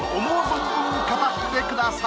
存分語ってください